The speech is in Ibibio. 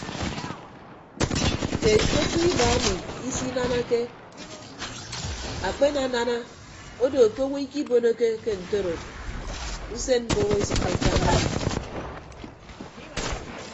Keed ke otu iba emi isinanake akpenana odo ke owo ikibonoke ke ntoro usen mboho esʌkkọ etañ mi.